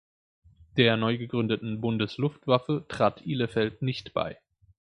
Der neugegründeten Bundesluftwaffe trat Ihlefeld nicht bei.